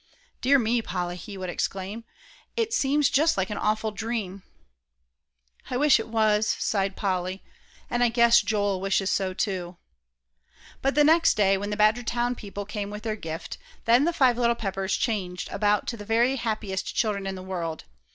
"Dear me, Polly!" he would exclaim, "it seems just like an awful dream." "I wish it was," sighed Polly, "and I guess Joel wishes so, too." But the next day, when the Badgertown people came with their gift, then the five little Peppers changed about to the very happiest children in the world!